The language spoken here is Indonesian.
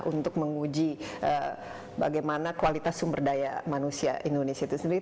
untuk menguji bagaimana kualitas sumber daya manusia indonesia itu sendiri